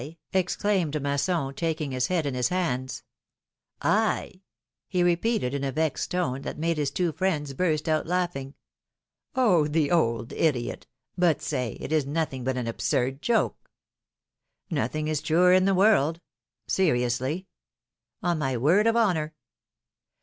exclaimed Masson, taking his head in his hands. I ?" he repeated, in a vexed tone, that made his two philom^:ne's marriages. 317 friends burst out laughing. ^^Oh! the old idiot! But, say, it is nothing but an absurd joke.^^ '^Nothing is truer in the world." Seriously?" ^^On my word of honor!"